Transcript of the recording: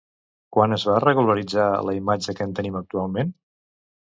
Quan es va regularitzar la imatge que en tenim actualment?